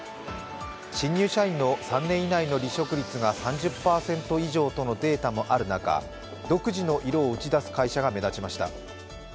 新入社員の３年以内の離職率が３０％以上とのデータもある中、独自の色を打ち出す会社が目立ちました。